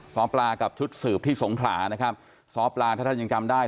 ซ้อปลากับชุดสืบที่สงขลานะครับซ้อปลาถ้าท่านยังจำได้